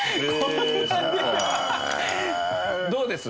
どうです？